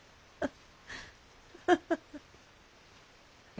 ハハハハ。